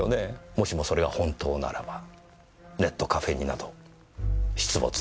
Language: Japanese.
もしもそれが本当ならばネットカフェになど出没出来ませんね。